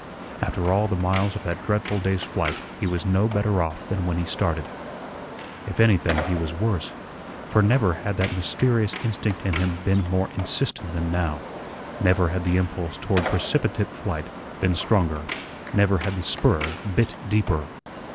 After all the miles of that dreadful day's flight he was no better off than when he started. If anything, he was worse, for never had that mysterious instinct in him been more insistent than now; never had the impulse toward precipitate flight been stronger; never had the spur bit deeper.